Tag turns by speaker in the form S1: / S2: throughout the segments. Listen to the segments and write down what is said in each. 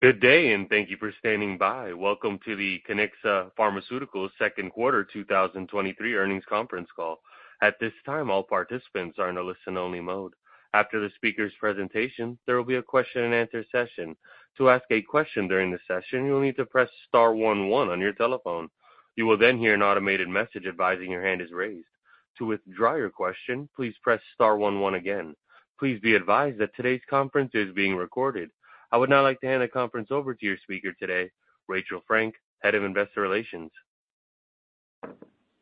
S1: Good day. Thank you for standing by. Welcome to the Kiniksa Pharmaceuticals second quarter 2023 earnings conference call. At this time, all participants are in a listen-only mode. After the speaker's presentation, there will be a question-and-answer session. To ask a question during the session, you'll need to press star one one on your telephone. You will hear an automated message advising your hand is raised. To withdraw your question, please press star one one again. Please be advised that today's conference is being recorded. I would now like to hand the conference over to your speaker today, Rachel Frank, Head of Investor Relations.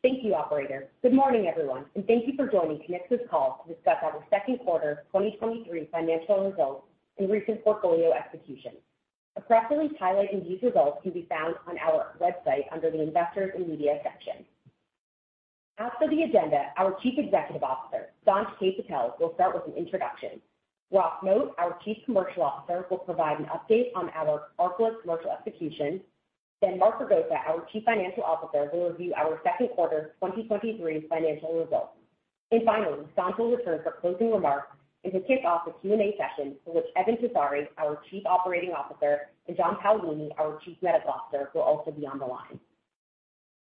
S2: Thank you, operator. Good morning, everyone. Thank you for joining Kiniksa's call to discuss our second quarter 2023 financial results and recent portfolio execution. A press release highlighting these results can be found on our website under the Investors and Media section. After the agenda, our Chief Executive Officer, Sanj K. Patel, will start with an introduction. Ross Moat, our Chief Commercial Officer, will provide an update on our ARCALYST commercial execution. Mark Ragosa, our Chief Financial Officer, will review our second quarter 2023 financial results. Finally, Sanj will return for closing remarks and to kick off the Q&A session, for which Eben Tessari, our Chief Operating Officer, and John Paolini, our Chief Medical Officer, will also be on the line.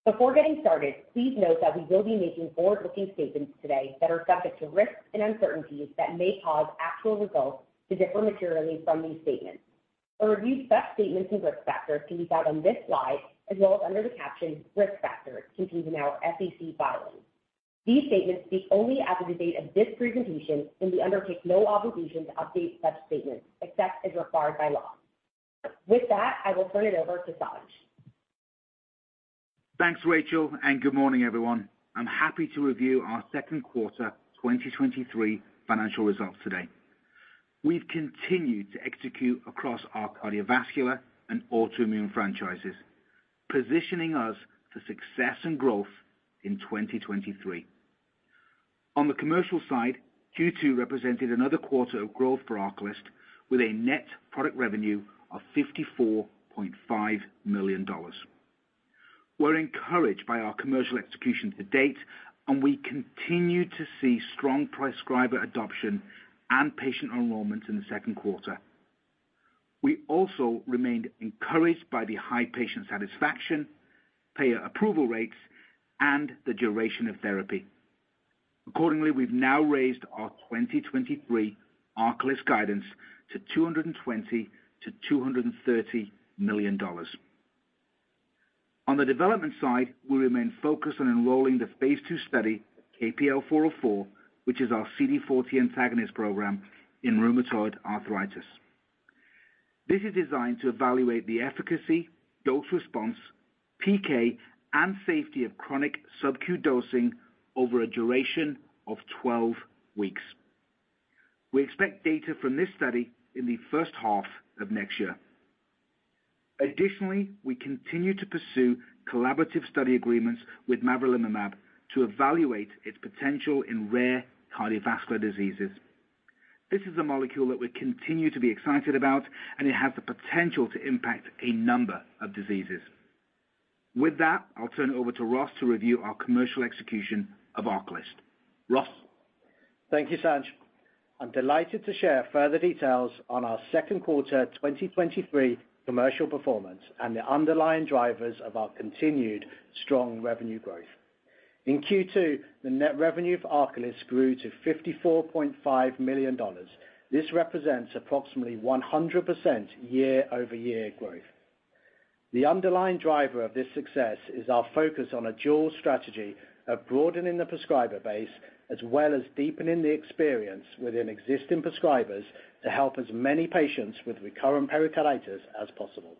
S2: Before getting started, please note that we will be making forward-looking statements today that are subject to risks and uncertainties that may cause actual results to differ materially from these statements. A review of such statements and risk factors can be found on this slide, as well as under the caption Risk Factors contained in our SEC filings. These statements speak only as of the date of this presentation, and we undertake no obligation to update such statements, except as required by law. With that, I will turn it over to Sanj.
S3: Thanks, Rachel. Good morning, everyone. I'm happy to review our second quarter 2023 financial results today. We've continued to execute across our cardiovascular and autoimmune franchises, positioning us for success and growth in 2023. On the commercial side, Q2 represented another quarter of growth for ARCALYST, with a net product revenue of $54.5 million. We're encouraged by our commercial execution to date. We continue to see strong prescriber adoption and patient enrollment in the second quarter. We also remained encouraged by the high patient satisfaction, payer approval rates, and the duration of therapy. Accordingly, we've now raised our 2023 ARCALYST guidance to $220 million-$230 million. On the development side, we remain focused on enrolling the Phase II study, KPL-404, which is our CD40 antagonist program in rheumatoid arthritis. This is designed to evaluate the efficacy, dose response, PK, and safety of chronic sub-Q dosing over a duration of 12 weeks. We expect data from this study in the first half of next year. We continue to pursue collaborative study agreements with mavrilimumab to evaluate its potential in rare cardiovascular diseases. This is a molecule that we continue to be excited about, and it has the potential to impact a number of diseases. With that, I'll turn it over to Ross to review our commercial execution of ARCALYST. Ross?
S4: Thank you, Sanj. I'm delighted to share further details on our second quarter 2023 commercial performance and the underlying drivers of our continued strong revenue growth. In Q2, the net revenue of ARCALYST grew to $54.5 million. This represents approximately 100% year-over-year growth. The underlying driver of this success is our focus on a dual strategy of broadening the prescriber base, as well as deepening the experience within existing prescribers to help as many patients with recurrent pericarditis as possible.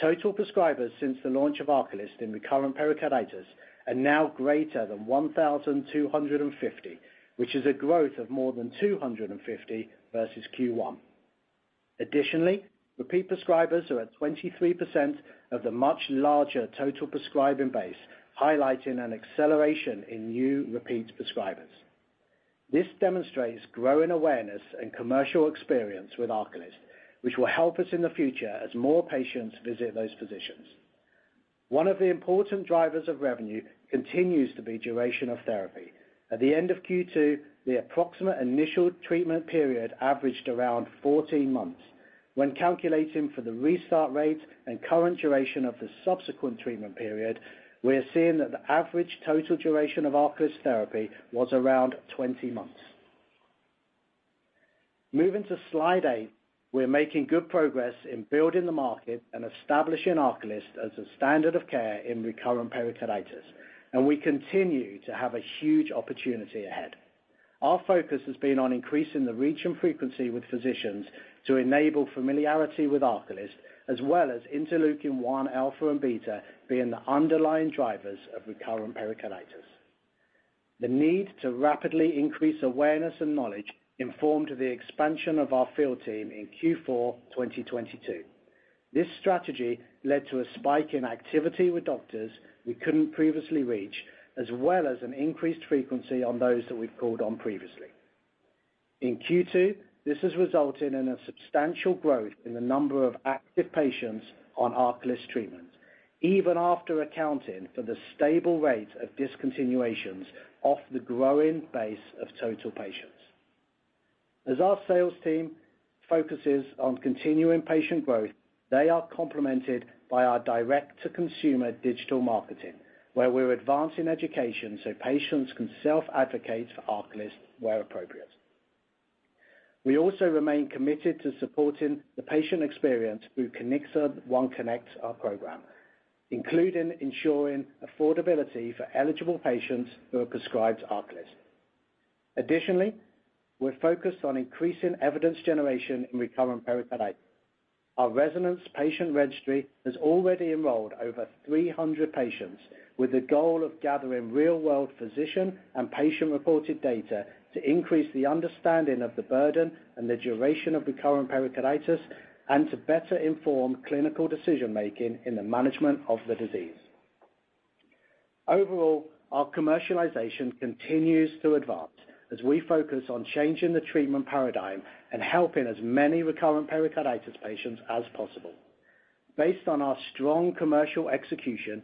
S4: Total prescribers since the launch of ARCALYST in recurrent pericarditis are now greater than 1,250, which is a growth of more than 250 versus Q1. Repeat prescribers are at 23% of the much larger total prescribing base, highlighting an acceleration in new repeat prescribers. This demonstrates growing awareness and commercial experience with ARCALYST, which will help us in the future as more patients visit those physicians. One of the important drivers of revenue continues to be duration of therapy. At the end of Q2, the approximate initial treatment period averaged around 14 months. When calculating for the restart rate and current duration of the subsequent treatment period, we are seeing that the average total duration of ARCALYST therapy was around 20 months. Moving to Slide 8, we're making good progress in building the market and establishing ARCALYST as a standard of care in recurrent pericarditis. We continue to have a huge opportunity ahead. Our focus has been on increasing the reach and frequency with physicians to enable familiarity with ARCALYST, as well as interleukin-1 alpha and beta being the underlying drivers of recurrent pericarditis. The need to rapidly increase awareness and knowledge informed the expansion of our field team in Q4 2022. This strategy led to a spike in activity with doctors we couldn't previously reach, as well as an increased frequency on those that we've called on previously. In Q2, this has resulted in a substantial growth in the number of active patients on ARCALYST treatment, even after accounting for the stable rate of discontinuations off the growing base of total patients. As our sales team focuses on continuing patient growth, they are complemented by our direct-to-consumer digital marketing, where we're advancing education so patients can self-advocate for ARCALYST where appropriate. We also remain committed to supporting the patient experience through Kiniksa OneConnect, our program, including ensuring affordability for eligible patients who are prescribed ARCALYST. Additionally, we're focused on increasing evidence generation in recurrent pericarditis. Our RESONANCE patient registry has already enrolled over 300 patients, with the goal of gathering real-world physician and patient-reported data to increase the understanding of the burden and the duration of recurrent pericarditis and to better inform clinical decision-making in the management of the disease. Overall, our commercialization continues to advance as we focus on changing the treatment paradigm and helping as many recurrent pericarditis patients as possible. Based on our strong commercial execution,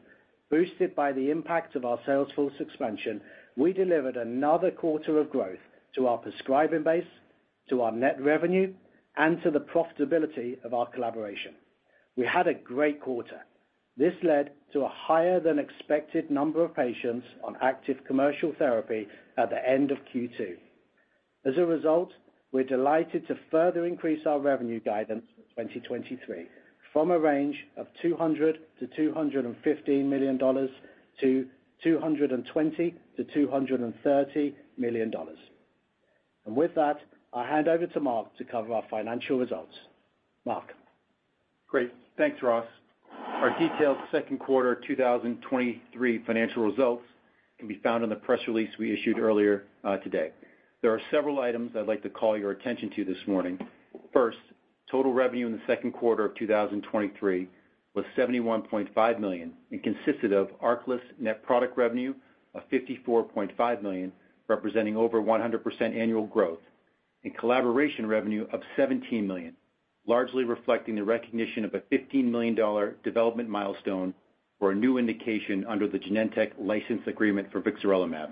S4: boosted by the impact of our sales force expansion, we delivered another quarter of growth to our prescribing base, to our net revenue, and to the profitability of our collaboration. We had a great quarter. This led to a higher-than-expected number of patients on active commercial therapy at the end of Q2. As a result, we're delighted to further increase our revenue guidance for 2023 from a range of $200 million-$215 million to $220 million-$230 million. With that, I'll hand over to Mark to cover our financial results. Mark?
S5: Great. Thanks, Ross. Our detailed second quarter 2023 financial results can be found in the press release we issued earlier today. There are several items I'd like to call your attention to this morning. First, total revenue in the second quarter of 2023 was $71.5 million and consisted of ARCALYST net product revenue of $54.5 million, representing over 100% annual growth, and collaboration revenue of $17 million, largely reflecting the recognition of a $15 million development milestone for a new indication under the Genentech license agreement for vixarelimab.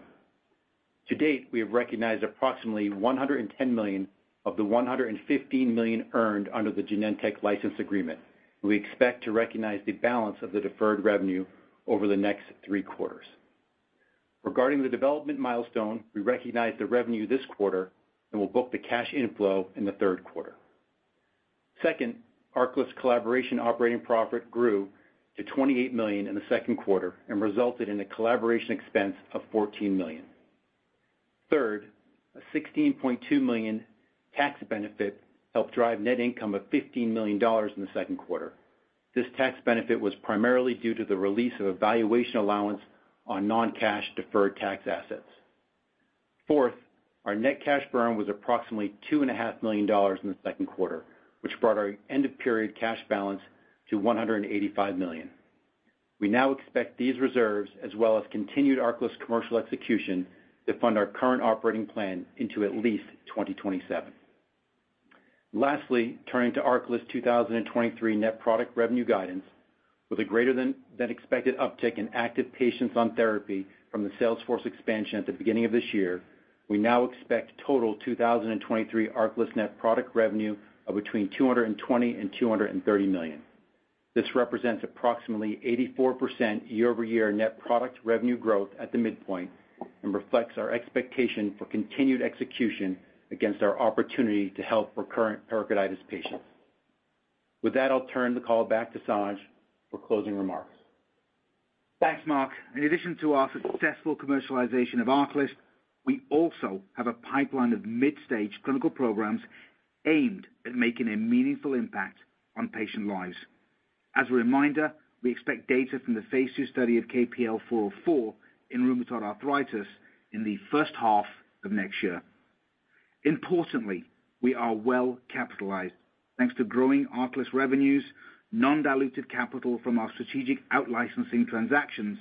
S5: To date, we have recognized approximately $110 million of the $115 million earned under the Genentech license agreement. We expect to recognize the balance of the deferred revenue over the next three quarters. Regarding the development milestone, we recognized the revenue this quarter and will book the cash inflow in the third quarter. Second, ARCALYST collaboration operating profit grew to $28 million in the second quarter and resulted in a collaboration expense of $14 million. Third, a $16.2 million tax benefit helped drive net income of $15 million in the second quarter. This tax benefit was primarily due to the release of a valuation allowance on non-cash deferred tax assets. Fourth, our net cash burn was approximately two and a half million dollars in the second quarter, which brought our end-of-period cash balance to $185 million. We now expect these reserves, as well as continued ARCALYST commercial execution, to fund our current operating plan into at least 2027. Lastly, turning to ARCALYST's 2023 net product revenue guidance, with a greater than expected uptick in active patients on therapy from the sales force expansion at the beginning of this year, we now expect total 2023 ARCALYST net product revenue of between $220 million and $230 million. This represents approximately 84% year-over-year net product revenue growth at the midpoint and reflects our expectation for continued execution against our opportunity to help recurrent pericarditis patients. With that, I'll turn the call back to Sanj for closing remarks.
S4: Thanks, Mark. In addition to our successful commercialization of ARCALYST, we also have a pipeline of mid-stage clinical programs aimed at making a meaningful impact on patient lives. As a reminder, we expect data from the phase II study of KPL-404 in rheumatoid arthritis in the first half of next year. Importantly, we are well capitalized. Thanks to growing ARCALYST revenues, non-diluted capital from our strategic out licensing transactions,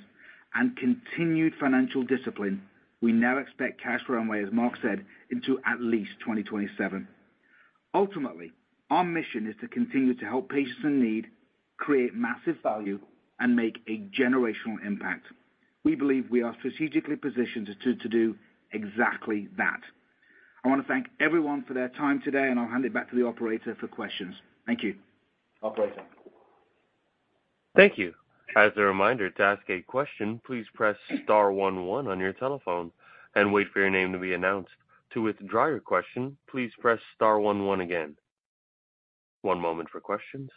S4: and continued financial discipline, we now expect cash runway, as Mark said, into at least 2027. Ultimately, our mission is to continue to help patients in need, create massive value, and make a generational impact. We believe we are strategically positioned to do exactly that. I want to thank everyone for their time today, and I'll hand it back to the operator for questions. Thank you. Operator?
S1: Thank you. As a reminder, to ask a question, please press star one one on your telephone and wait for your name to be announced. To withdraw your question, please press star one one again. One moment for questions.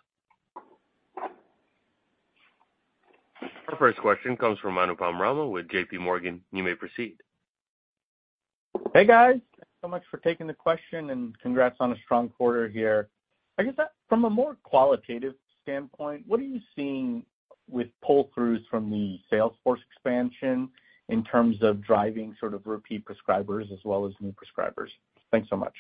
S1: Our first question comes from Anupam Rama with JPMorgan. You may proceed.
S6: Hey, guys. Thank you so much for taking the question, and congrats on a strong quarter here. I guess, from a more qualitative standpoint, what are you seeing with pull-throughs from the sales force expansion in terms of driving sort of repeat prescribers as well as new prescribers? Thanks so much....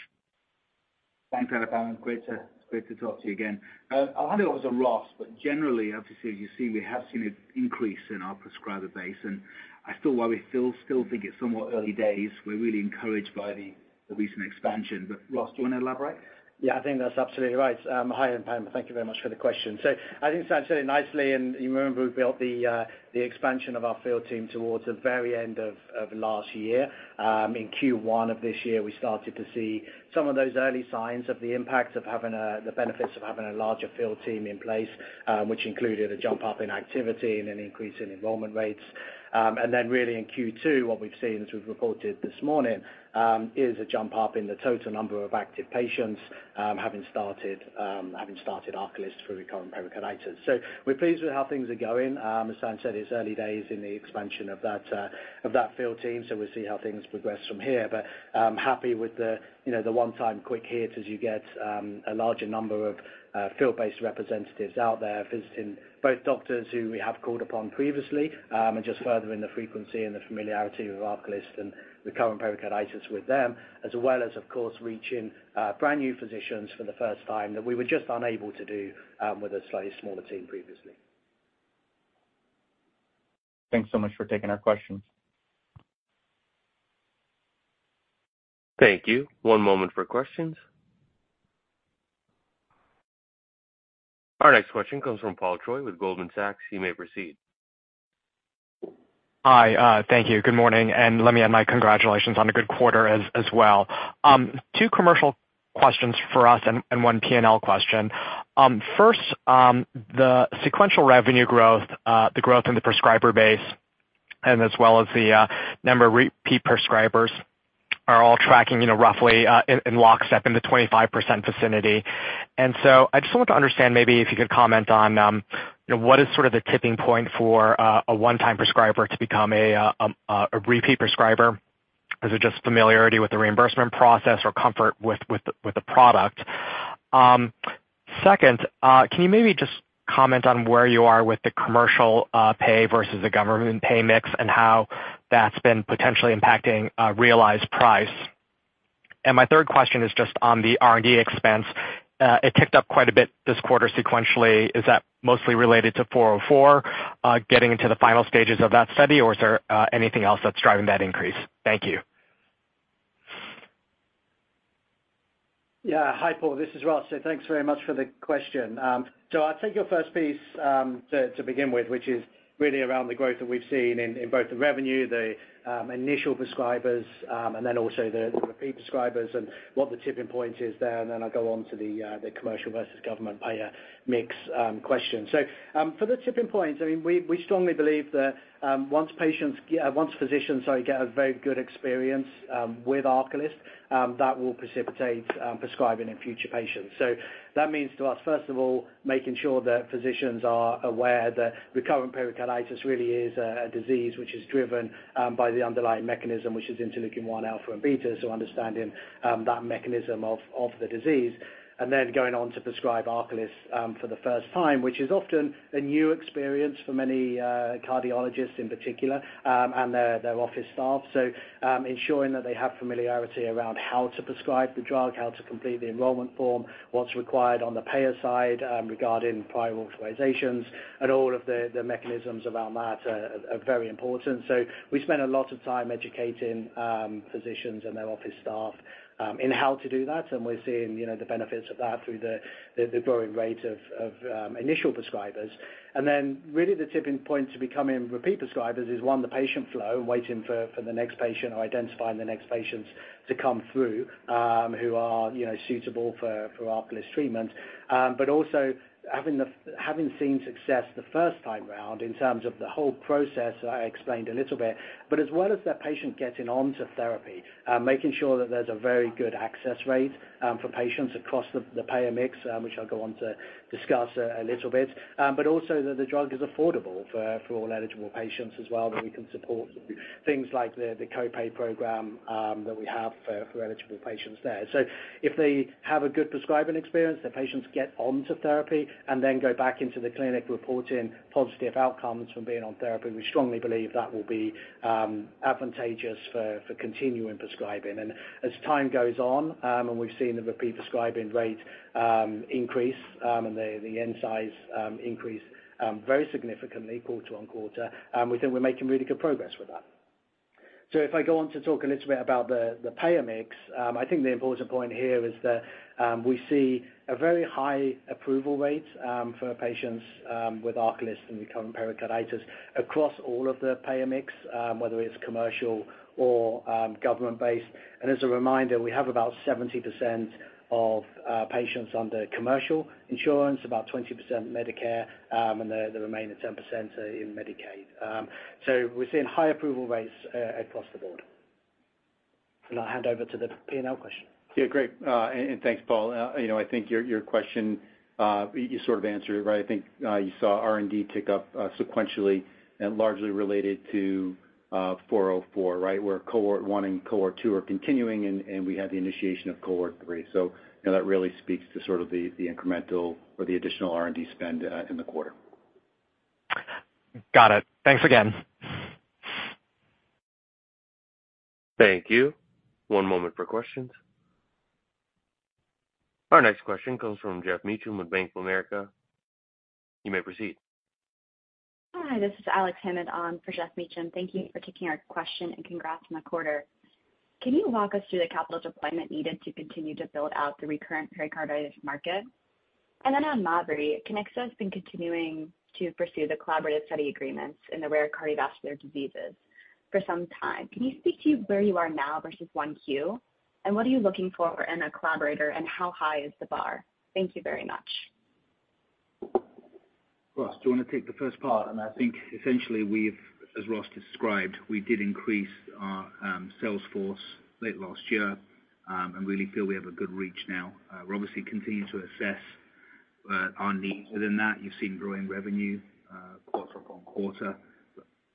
S5: Thanks, Anupam. Great to talk to you again. I'll hand it over to Ross, but generally, obviously, as you see, we have seen an increase in our prescriber base. I feel while we still think it's somewhat early days, we're really encouraged by the recent expansion. Ross, do you want to elaborate?
S4: Yeah, I think that's absolutely right. Hi, everyone. Thank you very much for the question. I think Sanj said it nicely, and you remember we built the expansion of our field team towards the very end of last year. In Q1 of this year, we started to see some of those early signs of the impact of having the benefits of having a larger field team in place, which included a jump up in activity and an increase in enrollment rates. Really in Q2, what we've seen, as we've reported this morning, is a jump up in the total number of active patients, having started ARCALYST for recurrent pericarditis. We're pleased with how things are going. As San said, it's early days in the expansion of that, of that field team. We'll see how things progress from here. I'm happy with the, you know, the one-time quick hits as you get, a larger number of, field-based representatives out there, visiting both doctors who we have called upon previously, and just furthering the frequency and the familiarity with ARCALYST and recurrent pericarditis with them, as well as, of course, reaching, brand-new physicians for the first time, that we were just unable to do, with a slightly smaller team previously.
S5: Thanks so much for taking our questions.
S1: Thank you. One moment for questions. Our next question comes from Paul Choi with Goldman Sachs. You may proceed.
S7: Hi, thank you. Good morning, and let me add my congratulations on a good quarter as well. Two commercial questions for us and one P&L question. First, the sequential revenue growth, the growth in the prescriber base, and as well as the number of repeat prescribers are all tracking, you know, roughly in lockstep in the 25% vicinity. I just want to understand maybe if you could comment on, you know, what is sort of the tipping point for a one-time prescriber to become a repeat prescriber? Is it just familiarity with the reimbursement process or comfort with the product? Second, can you maybe just comment on where you are with the commercial pay versus the government pay mix, and how that's been potentially impacting realized price? My third question is just on the R&D expense. It ticked up quite a bit this quarter sequentially. Is that mostly related to KPL-404 getting into the final stages of that study, or is there anything else that's driving that increase? Thank you.
S4: Yeah, hi, Paul. This is Ross. Thanks very much for the question. I'll take your first piece to begin with, which is really around the growth that we've seen in both the revenue, the initial prescribers, and then also the repeat prescribers, and what the tipping point is there. Then I'll go on to the commercial versus government payer mix question. For the tipping points, I mean, we strongly believe that once physicians, sorry, get a very good experience with ARCALYST, that will precipitate prescribing in future patients. That means to us, first of all, making sure that physicians are aware that recurrent pericarditis really is a disease which is driven by the underlying mechanism, which is interleukin-1 alpha and beta, so understanding that mechanism of the disease. Going on to prescribe ARCALYST for the first time, which is often a new experience for many cardiologists in particular, and their office staff. Ensuring that they have familiarity around how to prescribe the drug, how to complete the enrollment form, what's required on the payer side, regarding prior authorizations and all of the mechanisms around that are very important. We spend a lot of time educating physicians and their office staff in how to do that, and we're seeing, you know, the benefits of that through the growing rate of initial prescribers. Then really the tipping point to becoming repeat prescribers is, one, the patient flow, waiting for the next patient or identifying the next patients to come through, who are, you know, suitable for ARCALYST treatment. Also, having seen success the first time around in terms of the whole process, I explained a little bit. As well as that patient getting onto therapy, making sure that there's a very good access rate for patients across the payer mix, which I'll go on to discuss a little bit. Also that the drug is affordable for all eligible patients as well, that we can support things like the co-pay program, that we have for eligible patients there. If they have a good prescribing experience, the patients get onto therapy and then go back into the clinic reporting positive outcomes from being on therapy, we strongly believe that will be advantageous for continuing prescribing. As time goes on, and we've seen the repeat prescribing rate, increase, and the end size, increase, very significantly quarter-on-quarter, we think we're making really good progress with that. If I go on to talk a little bit about the payer mix, I think the important point here is that we see a very high approval rate for patients with ARCALYST and recurrent pericarditis across all of the payer mix, whether it's commercial or government-based. As a reminder, we have about 70% of patients under commercial insurance, about 20% Medicare, and the remaining 10% are in Medicaid. We're seeing high approval rates across the board. I'll hand over to the P&L question.
S5: Yeah, great. Thanks, Paul. You know, I think your question, you sort of answered it, right? I think you saw R&D tick up sequentially and largely related to KPL-404, right? Where cohort 1 and cohort 2 are continuing, and we had the initiation of cohort 3. You know, that really speaks to sort of the incremental or the additional R&D spend in the quarter.
S7: Got it. Thanks again.
S1: Thank you. One moment for questions. Our next question comes from Geoff Meacham with Bank of America. You may proceed.
S8: Hi, this is Alex Hammond on for Geoff Meacham. Thank you for taking our question. Congrats on the quarter. Can you walk us through the capital deployment needed to continue to build out the recurrent pericarditis market? On mavrilimumab, Kiniksa been continuing to pursue the collaborative study agreements in the rare cardiovascular diseases for some time. Can you speak to where you are now versus Q1? What are you looking for in a collaborator, and how high is the bar? Thank you very much.
S3: Ross, do you want to take the first part? I think essentially, we've, as Ross described, we did increase our sales force late last year, and really feel we have a good reach now. We're obviously continuing to assess our needs within that. You've seen growing revenue, quarter upon quarter.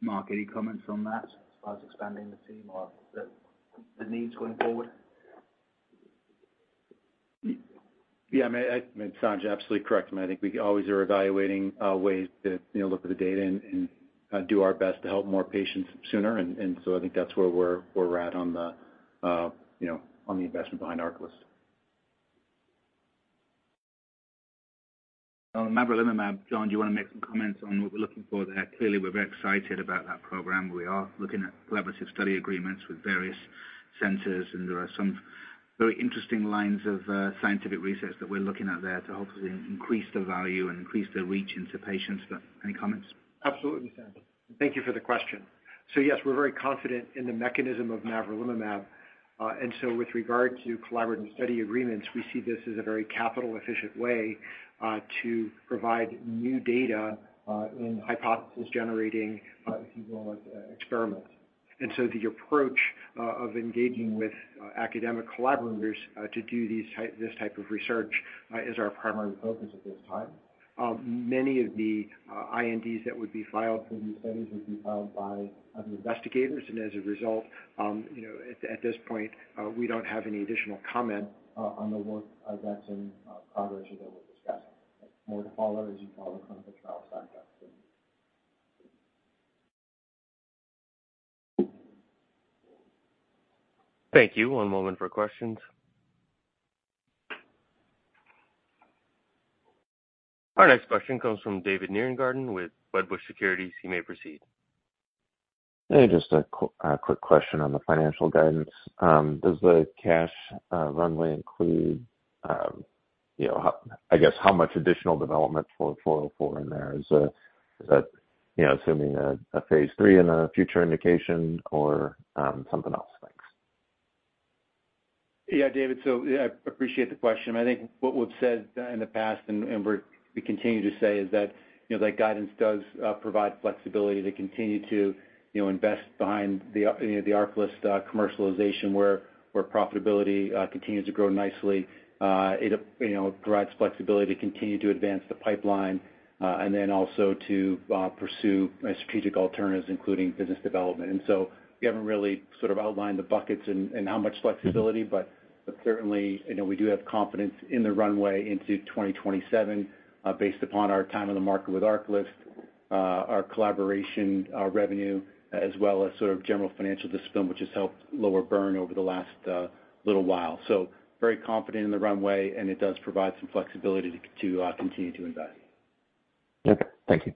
S3: Mark, any comments on that as far as expanding the team or the needs going forward?
S5: Yeah, I mean, Sanjay, absolutely correct. I think we always are evaluating ways to, you know, look at the data and do our best to help more patients sooner. I think that's where we're at on the, you know, on the investment behind ARCALYST.
S3: On mavrilimumab, John, do you want to make some comments on what we're looking for there? Clearly, we're very excited about that program. We are looking at collaborative study agreements with various centers, and there are some very interesting lines of scientific research that we're looking at there to hopefully increase the value and increase the reach into patients. Any comments?
S9: Absolutely, Sanj. Thank you for the question. Yes, we're very confident in the mechanism of mavrilimumab. With regard to collaborative study agreements, we see this as a very capital-efficient way to provide new data in hypothesis-generating, if you will, experiments. The approach of engaging with academic collaborators to do this type of research is our primary focus at this time. Many of the INDs that would be filed for these studies would be filed by other investigators, and as a result, you know, at this point, we don't have any additional comment on the work that's in progress or that we're discussing. More to follow as you follow the clinical trials track.
S1: Thank you. One moment for questions. Our next question comes from David Nierengarten with Wedbush Securities. You may proceed.
S10: Hey, just a quick question on the financial guidance. Does the cash runway include, you know, how, I guess, how much additional development for 404 in there? Is that, you know, assuming a phase 3 and a future indication or something else? Thanks.
S5: Yeah, David, I appreciate the question. I think what we've said in the past and we continue to say is that, you know, that guidance does provide flexibility to continue to, you know, invest behind the, you know, ARCALYST commercialization, where profitability continues to grow nicely. It, you know, provides flexibility to continue to advance the pipeline, also to pursue strategic alternatives, including business development. We haven't really sort of outlined the buckets and how much flexibility, but certainly, you know, we do have confidence in the runway into 2027, based upon our time in the market with ARCALYST, our collaboration, our revenue, as well as sort of general financial discipline, which has helped lower burn over the last little while. Very confident in the runway, and it does provide some flexibility to continue to invest.
S10: Okay. Thank you.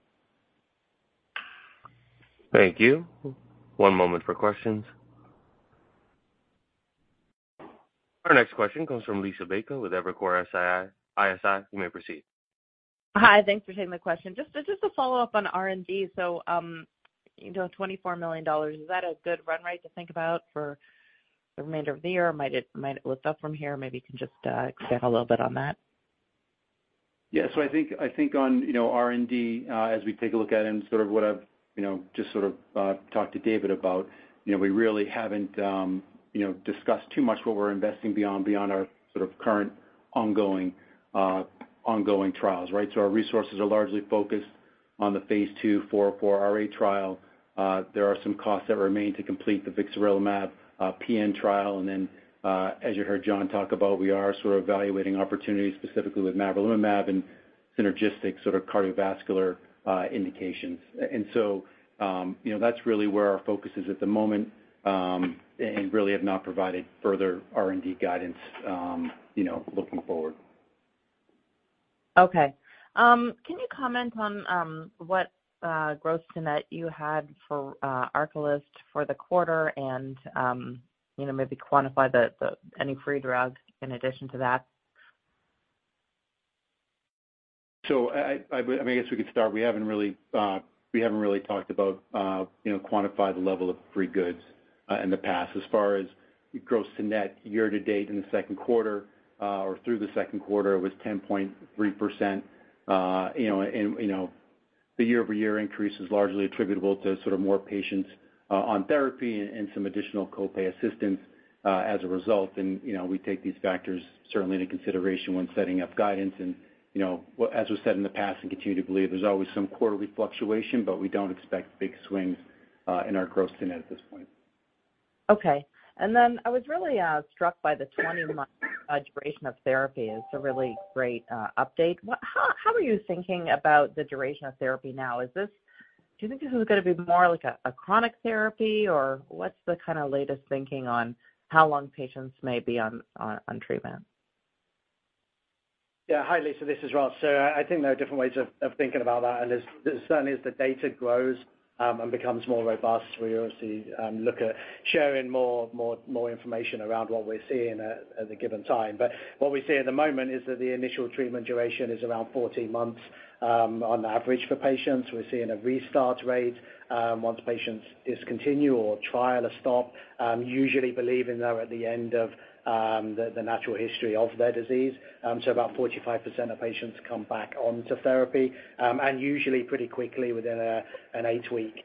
S1: Thank you. One moment for questions. Our next question comes from Liisa Bayko with Evercore ISI. You may proceed.
S11: Hi, thanks for taking my question. Just a follow-up on R&D. You know, $24 million, is that a good run rate to think about for the remainder of the year? Might it lift up from here? Maybe you can just expand a little bit on that.
S5: Yeah. I think on, you know, R&D, as we take a look at it and sort of what I've, you know, just sort of, talked to David about, you know, we really haven't, you know, discussed too much what we're investing beyond our sort of current ongoing trials, right? Our resources are largely focused on the Phase 2 KPL-404 RA trial. There are some costs that remain to complete the vixarelimab PN trial. As you heard John talk about, we are sort of evaluating opportunities specifically with mavrilimumab and synergistic sort of cardiovascular, indications. You know, that's really where our focus is at the moment, and really have not provided further R&D guidance, you know, looking forward.
S11: Okay. Can you comment on what gross-to-net you had for ARCALYST for the quarter and, you know, maybe quantify the any free drug in addition to that?
S5: I guess we could start. We haven't really, we haven't really talked about, you know, quantify the level of free goods in the past. As far as gross-to-net year to date in the second quarter, or through the second quarter, it was 10.3%. You know, and, you know, the year-over-year increase is largely attributable to sort of more patients on therapy and some additional co-pay assistance as a result. You know, we take these factors certainly into consideration when setting up guidance. You know, as we've said in the past and continue to believe, there's always some quarterly fluctuation, but we don't expect big swings in our gross-to-net at this point.
S11: Okay. I was really struck by the 20-month duration of therapy. It's a really great update. How are you thinking about the duration of therapy now? Do you think this is gonna be more like a chronic therapy, or what's the kind of latest thinking on how long patients may be on treatment?
S4: Yeah. Hi, Lisa, this is Ross. I think there are different ways of thinking about that, and as, certainly as the data grows, and becomes more robust, we obviously, look at sharing more information around what we're seeing at a given time. But what we're seeing at the moment is that the initial treatment duration is around 14 months, on average for patients. We're seeing a restart rate, once patients discontinue or trial or stop, usually believing they're at the end of, the natural history of their disease. About 45% of patients come back onto therapy, and usually pretty quickly within a, an 8-week,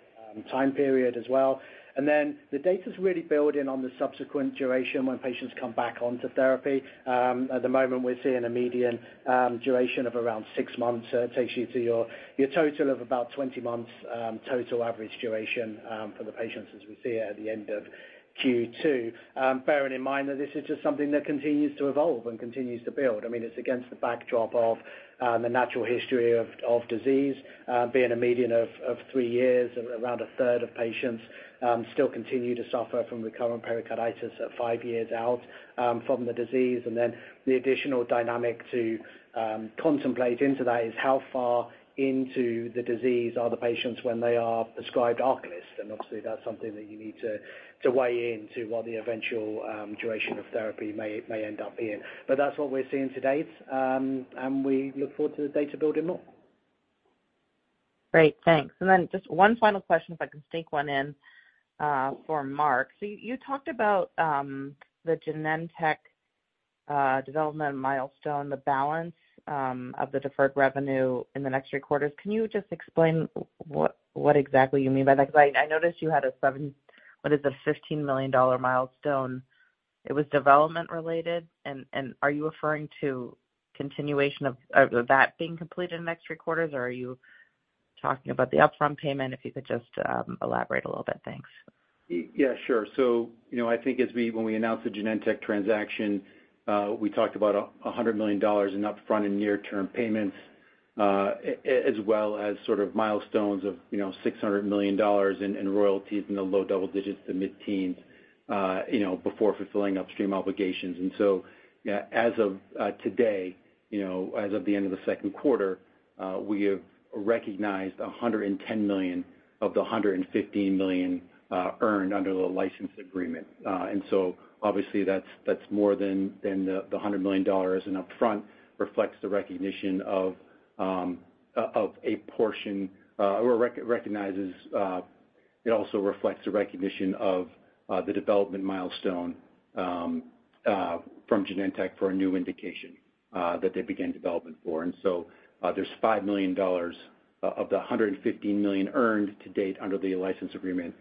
S4: time period as well. The data's really building on the subsequent duration when patients come back onto therapy. At the moment, we're seeing a median duration of around 6 months. It takes you to your total of about 20 months total average duration for the patients as we see it at the end of Q2. Bearing in mind that this is just something that continues to evolve and continues to build. I mean, it's against the backdrop of the natural history of disease, being a median of 3 years, around a third of patients still continue to suffer from recurrent pericarditis at 5 years out from the disease. The additional dynamic to contemplate into that is how far into the disease are the patients when they are prescribed ARCALYST? Obviously, that's something that you need to weigh in to what the eventual duration of therapy may end up being. That's what we're seeing to date, and we look forward to the data building more.
S8: Great, thanks. Just 1 final question, if I can sneak 1 in, for Mark. You talked about the Genentech development milestone, the balance of the deferred revenue in the next 3 quarters. Can you just explain what exactly you mean by that? Because I noticed you had a $15 million milestone. It was development related? Are you referring to continuation of that being completed in the next 3 quarters, or are you talking about the upfront payment? If you could just elaborate a little bit. Thanks.
S5: Yeah, sure. You know, I think when we announced the Genentech transaction, we talked about $100 million in upfront and near-term payments, as well as sort of milestones of, you know, $600 million in royalties in the low double digits to mid-teens, you know, before fulfilling upstream obligations. Yeah, as of today, you know, as of the end of the second quarter, we have recognized $110 million of the $115 million earned under the license agreement. Obviously, that's more than the $100 million in upfront, reflects the recognition of a portion, or recognizes... It also reflects the recognition of the development milestone from Genentech for a new indication that they began development for. There's $5 million of the $150 million earned to date under the license agreement.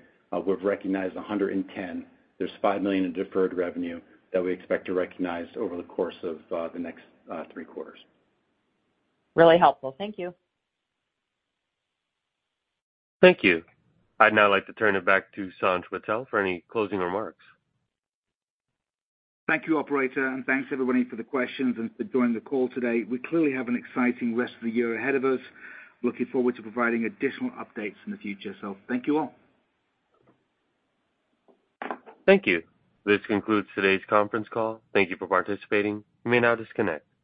S5: We've recognized $110 million. There's $5 million in deferred revenue that we expect to recognize over the course of the next 3 quarters.
S8: Really helpful. Thank you.
S1: Thank you. I'd now like to turn it back to Sanj Patel for any closing remarks.
S3: Thank you, operator, thanks, everybody, for the questions and for joining the call today. We clearly have an exciting rest of the year ahead of us. Looking forward to providing additional updates in the future. Thank you, all.
S1: Thank you. This concludes today's conference call. Thank you for participating. You may now disconnect.